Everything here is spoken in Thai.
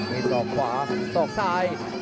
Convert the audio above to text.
มีศอกขวาสอกซ้าย